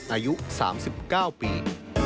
อายุ๓๙ปี